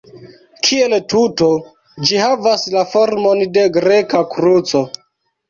Kiel tuto ĝi havas la formon de greka kruco.